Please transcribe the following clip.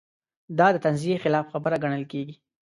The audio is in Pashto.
دا د تنزیې خلاف خبره ګڼل کېږي.